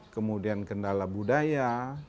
kemudian kendala budaya